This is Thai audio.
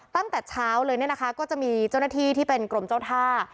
ตั้งแต่เช้าเลยเนี่ยนะคะก็จะมีเจ้าหน้าที่ที่เป็นกรมเจ้าท่า